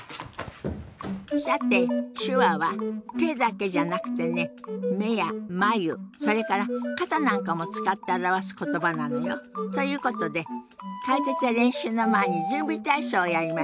さて手話は手だけじゃなくてね目や眉それから肩なんかも使って表す言葉なのよ。ということで解説や練習の前に準備体操をやりましょう。